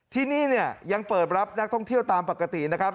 ที่นี่เนี่ยยังเปิดรับนักท่องเที่ยวตามปกตินะครับ